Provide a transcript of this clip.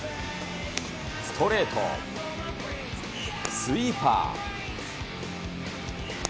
ストレート、スイーパー。